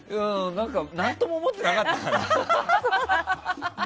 何とも思ってなかった。